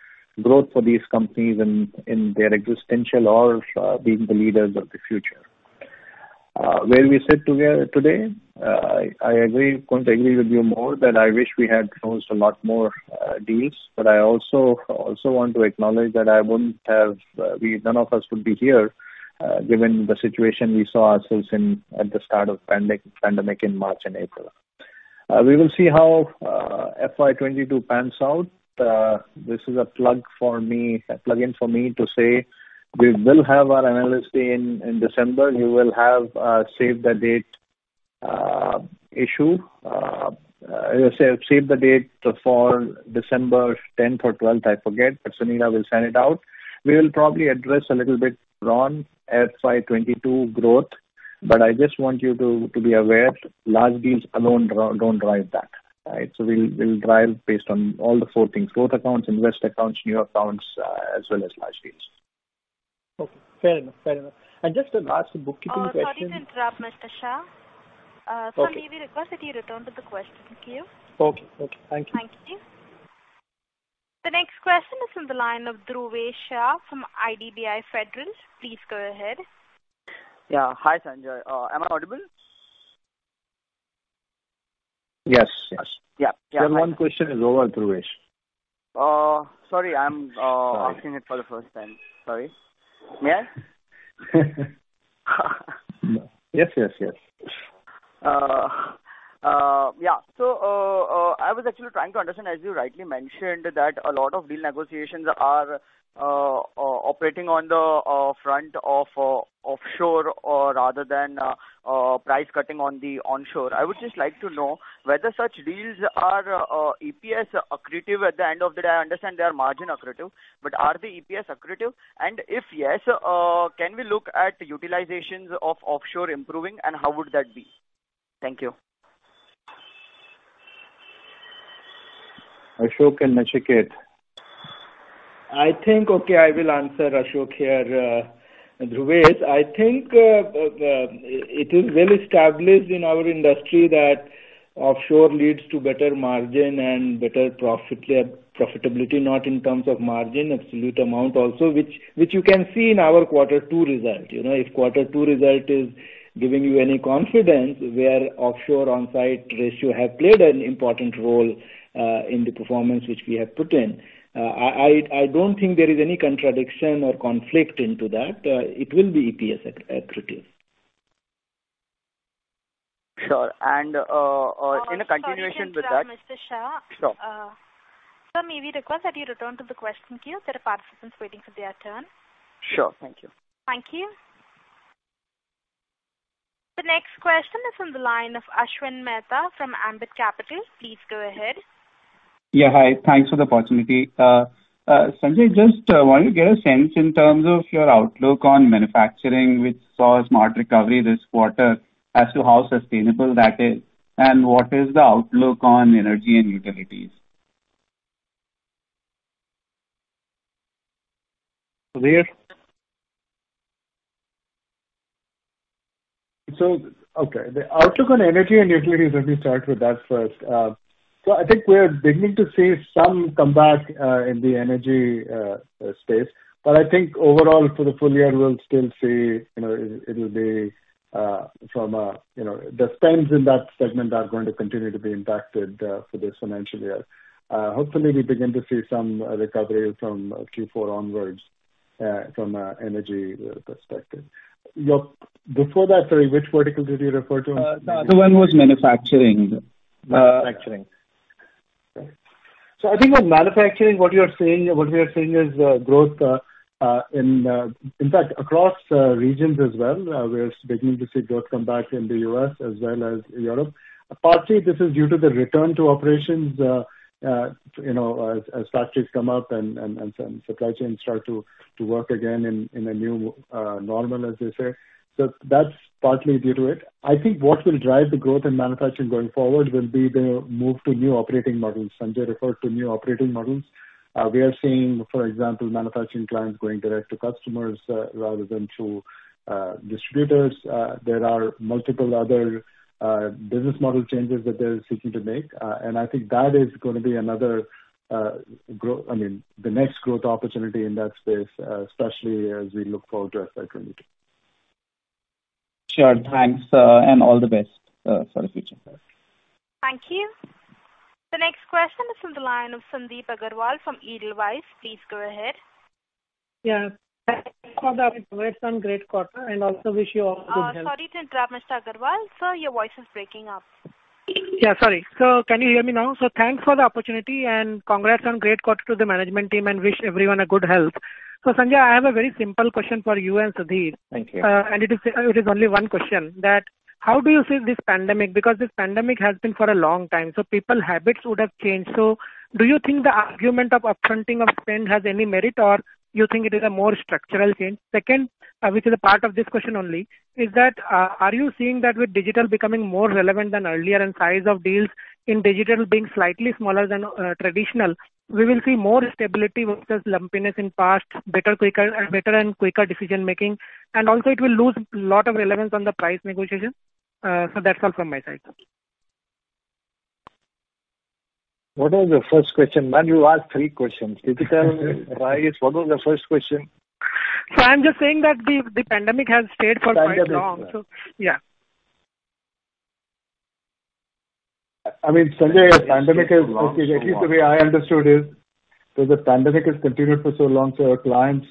growth for these companies in their existential or being the leaders of the future. Where we sit today, I couldn't agree with you more that I wish we had closed a lot more deals, but I also want to acknowledge that none of us would be here given the situation we saw ourselves in at the start of pandemic in March and April. We will see how FY 2022 pans out. This is a plug-in for me to say we will have our analyst day in December. You will have save-the-date issue. Save the date for December 10th or 12th, I forget, but Sunila will send it out. We will probably address a little bit on FY 2022 growth. I just want you to be aware, large deals alone don't drive that. Right? We'll drive based on all the four things, growth accounts, invest accounts, new accounts, as well as large deals. Okay. Fair enough. Just a last bookkeeping question? Sorry to interrupt, Mr. Shah. Sir, may we request that you return to the question queue? Okay. Thank you. Thank you. The next question is on the line of Dhruvesh Shah from IDBI Federal. Please go ahead. Yeah. Hi, Sanjay. Am I audible? Yes. Your one question is over, Dhruvesh. Sorry I'm asking it for the first time. Sorry. May I? Yes. Yeah. I was actually trying to understand, as you rightly mentioned, that a lot of deal negotiations are operating on the front of offshore rather than price cutting on the onshore. I would just like to know whether such deals are EPS accretive at the end of the day. I understand they are margin accretive, but are they EPS accretive? If yes, can we look at utilizations of offshore improving and how would that be? Thank you. Ashok and Nachiket. I think, okay, I will answer, Ashok here. Dhruvesh, I think it is well established in our industry that offshore leads to better margin and better profitability, not in terms of margin, absolute amount also, which you can see in our quarter two result. If quarter two result is giving you any confidence, where offshore onsite ratio have played an important role in the performance which we have put in. I don't think there is any contradiction or conflict into that. It will be EPS accretive. Sure. In a continuation with that- Sorry to interrupt, Mr. Shah. Sure. Sir, may we request that you return to the question queue? There are participants waiting for their turn. Sure. Thank you. Thank you. The next question is on the line of Ashwin Mehta from Ambit Capital. Please go ahead. Hi. Thanks for the opportunity. Sanjay, just want to get a sense in terms of your outlook on Manufacturing, which saw smart recovery this quarter, as to how sustainable that is and what is the outlook on Energy and Utilities? Sudhir? Okay. The outlook on Energy and Utilities, let me start with that first. I think we're beginning to see some comeback in the Energy space. I think overall for the full year, we'll still see the spends in that segment are going to continue to be impacted for this financial year. Hopefully we begin to see some recovery from Q4 onwards from an Energy perspective. Before that, sorry, which vertical did you refer to? The one was Manufacturing. Manufacturing. I think with Manufacturing, what we are seeing is growth, in fact, across regions as well. We're beginning to see growth come back in the U.S. as well as in Europe. Partly this is due to the return to operations as factories come up and supply chains start to work again in a new normal, as they say. That's partly due to it. I think what will drive the growth in Manufacturing going forward will be the move to new operating models. Sanjay referred to new operating models. We are seeing, for example, Manufacturing clients going direct to customers rather than through distributors. There are multiple other business model changes that they're seeking to make. I think that is going to be the next growth opportunity in that space, especially as we look forward to FY 2022. Sure. Thanks. All the best for the future. Thank you. The next question is on the line of Sandip Agarwal from Edelweiss. Please go ahead. Yeah. Thanks for the great quarter, and also wish you all good health. Sorry to interrupt, Mr. Agarwal. Sir, your voice is breaking up. Sorry. Can you hear me now? Thanks for the opportunity, and congrats on great quarter to the management team and wish everyone a good health. Sanjay, I have a very simple question for you and Sudhir. Thank you. It is only one question, that how do you see this pandemic? Because this pandemic has been for a long time, so people habits would have changed. Do you think the argument of up-fronting of spend has any merit, or you think it is a more structural change? Second, which is a part of this question only, is that, are you seeing that with digital becoming more relevant than earlier and size of deals in digital being slightly smaller than traditional, we will see more stability versus lumpiness in past, better and quicker decision-making, and also it will lose lot of relevance on the price negotiation? That's all from my side. What was the first question? Man, you asked three questions. Digital, price. What was the first question? I'm just saying that the pandemic has stayed for quite long. I mean, Sanjay, pandemic Okay, at least the way I understood is, because the pandemic has continued for so long, so our clients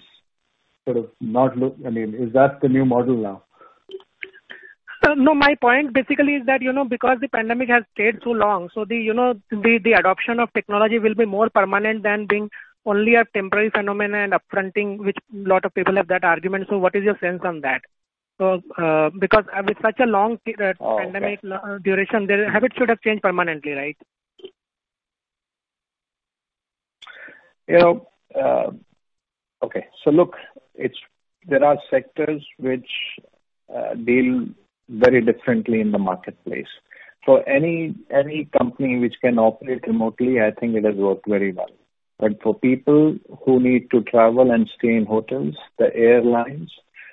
sort of not Is that the new model now? No, my point basically is that, because the pandemic has stayed so long, so the adoption of technology will be more permanent than being only a temporary phenomenon and up-fronting, which lot of people have that argument. What is your sense on that? Because with such a long pandemic duration, their habits should have changed permanently, right? Okay. Look, there are sectors which deal very differently in the marketplace. For any company which can operate remotely, I think it has worked very well. For people who need to travel and stay in hotels, the airlines,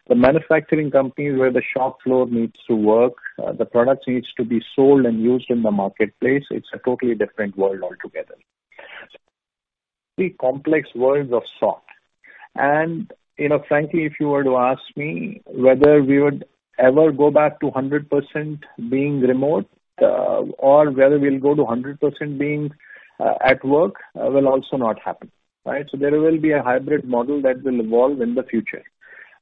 the manufacturing companies where the shop floor needs to work, the product needs to be sold and used in the marketplace, it's a totally different world altogether. Three complex worlds of sorts. Frankly, if you were to ask me whether we would ever go back to 100% being remote, or whether we'll go to 100% being at work, will also not happen, right? There will be a hybrid model that will evolve in the future.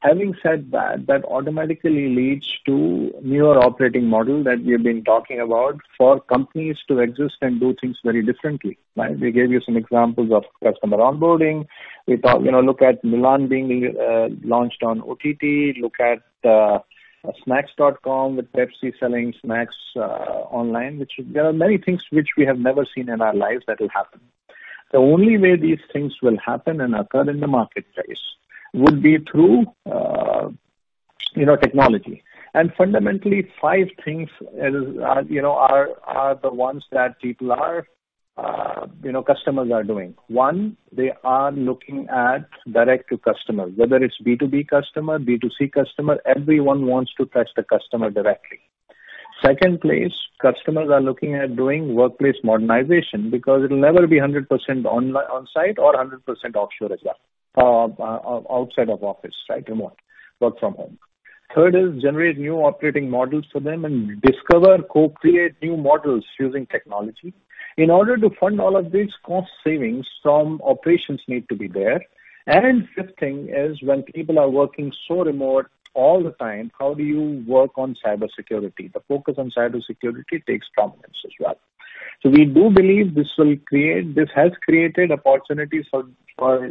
Having said that automatically leads to newer operating model that we've been talking about for companies to exist and do things very differently, right? We gave you some examples of customer onboarding. Look at Mulan being launched on OTT. Look at Snacks.com with Pepsi selling snacks online. There are many things which we have never seen in our lives that will happen. The only way these things will happen and occur in the marketplace would be through technology. Fundamentally, five things are the ones that customers are doing. One, they are looking at direct to customer, whether it's B2B customer, B2C customer, everyone wants to touch the customer directly. Second place, customers are looking at doing workplace modernization because it'll never be 100% on-site or 100% offshore as well, outside of office, right? Remote. Work from home. Third is generate new operating models for them and discover, co-create new models using technology. In order to fund all of this cost savings from operations need to be there. Fifth thing is when people are working so remote all the time, how do you work on cybersecurity? The focus on cybersecurity takes prominence as well. We do believe this has created opportunities for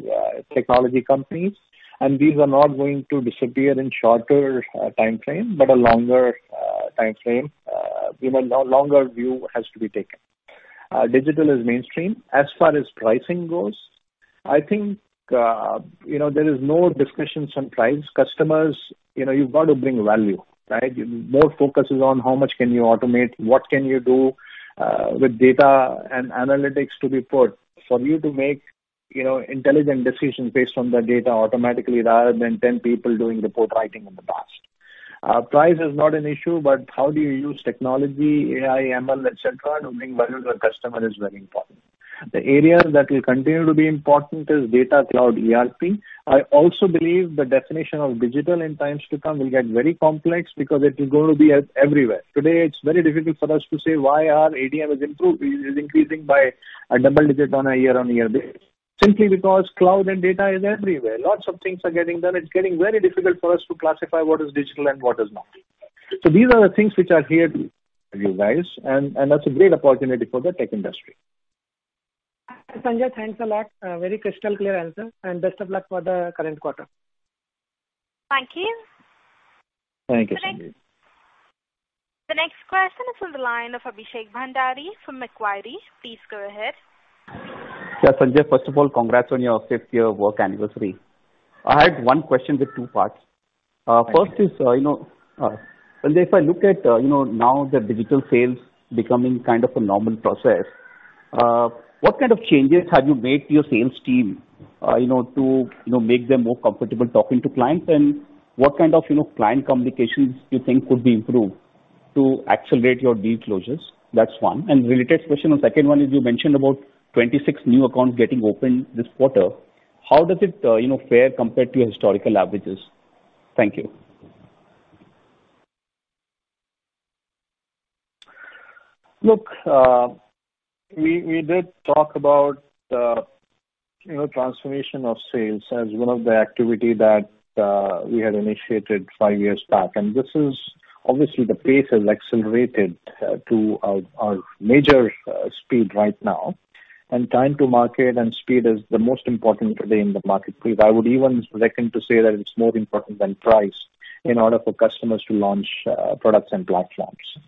technology companies, and these are not going to disappear in shorter timeframe, but a longer timeframe. A longer view has to be taken. Digital is mainstream. As far as pricing goes, I think there is no discussions on price. You've got to bring value, right? More focus is on how much can you automate, what can you do with data and analytics to be put for you to make intelligent decisions based on the data automatically rather than 10 people doing report writing in the past. Price is not an issue, but how do you use technology, AI, ML, et cetera, to bring value to the customer is very important. The areas that will continue to be important is data cloud ERP. I also believe the definition of digital in times to come will get very complex because it is going to be everywhere. Today, it's very difficult for us to say why our ADM is increasing by a double-digit on a year-on-year basis. Simply because cloud and data is everywhere. Lots of things are getting done. It's getting very difficult for us to classify what is digital and what is not. These are the things which are here, you guys, and that's a great opportunity for the tech industry. Sanjay, thanks a lot. Very crystal clear answer, and best of luck for the current quarter. Thank you. Thank you, Sandip. The next question is on the line of Abhishek Bhandari from Macquarie. Please go ahead. Yeah, Sanjay, first of all, congrats on your fifth year work anniversary. I had one question with two parts. Thank you. First is, Sanjay, if I look at now the digital sales becoming kind of a normal process, what kind of changes have you made to your sales team to make them more comfortable talking to clients? And what kind of client communications do you think could be improved to accelerate your deal closures? That's one. Related question on second one is, you mentioned about 26 new accounts getting opened this quarter. How does it fare compared to your historical averages? Thank you. Look, we did talk about transformation of sales as one of the activity that we had initiated five years back. Obviously, the pace has accelerated to a major speed right now, and time to market and speed is the most important today in the marketplace. I would even reckon to say that it's more important than price in order for customers to launch products and platforms.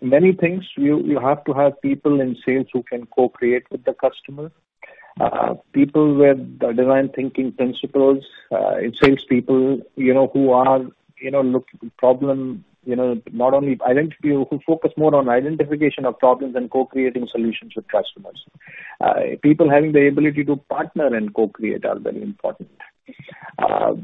Many things. You have to have people in sales who can co-create with the customer. People with design thinking principles. Salespeople who focus more on identification of problems than co-creating solutions with customers. People having the ability to partner and co-create are very important. A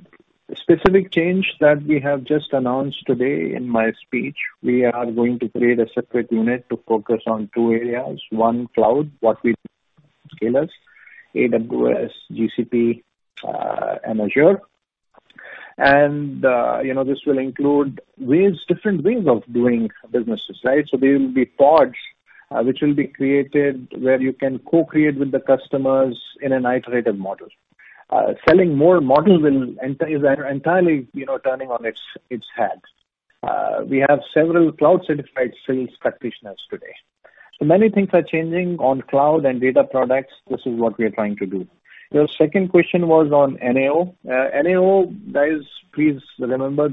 specific change that we have just announced today in my speech, we are going to create a separate unit to focus on two areas. One, cloud. AWS, GCP, and Azure. This will include different ways of doing business. There will be pods which will be created where you can co-create with the customers in an iterative model. Selling more models is entirely turning on its head. We have several cloud-certified sales practitioners today. Many things are changing on cloud and data products. This is what we are trying to do. Your second question was on NAO. NAO, guys, please remember,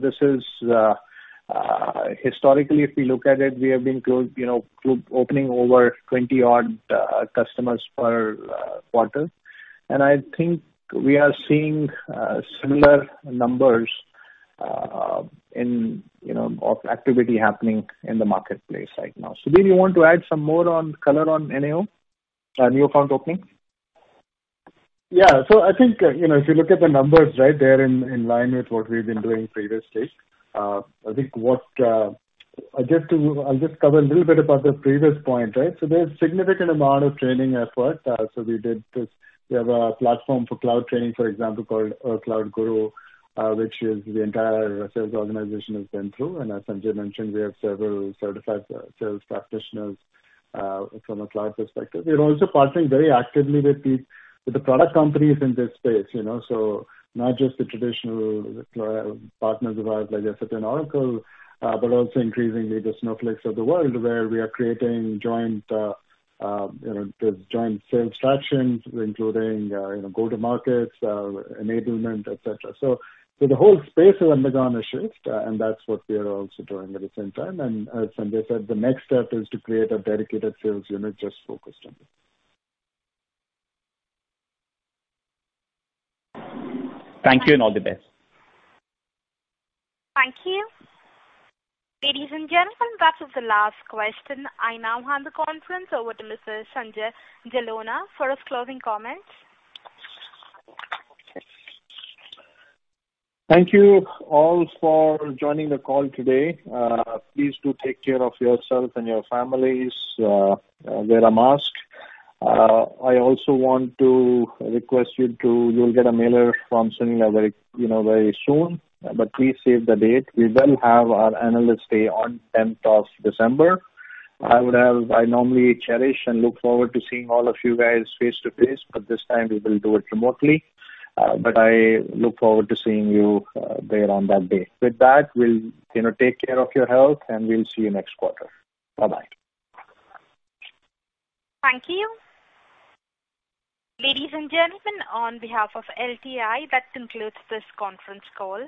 historically, if we look at it, we have been opening over 20-odd customers per quarter. I think we are seeing similar numbers of activity happening in the marketplace right now. Sudhir, you want to add some more color on NAO, new account opening? I think if you look at the numbers, they're in line with what we've been doing previous stage. I'll just cover a little bit about the previous point. There's significant amount of training effort. We have a platform for cloud training, for example, called A Cloud Guru, which the entire sales organization has been through. As Sanjay mentioned, we have several certified sales practitioners from a cloud perspective. We are also partnering very actively with the product companies in this space. Not just the traditional partners of ours like SAP and Oracle, but also increasingly the Snowflakes of the world, where we are creating joint sales factions, including go-to-markets, enablement, et cetera. The whole space has undergone a shift, and that's what we are also doing at the same time. As Sanjay said, the next step is to create a dedicated sales unit just focused on this. Thank you, and all the best. Thank you. Ladies and gentlemen, that is the last question. I now hand the conference over to Mr. Sanjay Jalona for his closing comments. Thank you all for joining the call today. Please do take care of yourself and your families. Wear a mask. I also want to request you. You'll get a mailer from Sunila very soon. Please save the date. We will have our Analyst Day on 10th of December. I normally cherish and look forward to seeing all of you guys face-to-face, but this time we will do it remotely. I look forward to seeing you there on that day. With that, take care of your health, and we'll see you next quarter. Bye-bye. Thank you. Ladies and gentlemen, on behalf of LTI, that concludes this conference call.